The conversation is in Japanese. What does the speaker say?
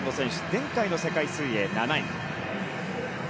前回の世界水泳は７位。